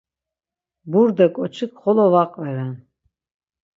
Burde ǩoçik, xolo va qveren.